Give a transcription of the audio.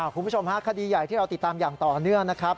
คุณผู้ชมฮะคดีใหญ่ที่เราติดตามอย่างต่อเนื่องนะครับ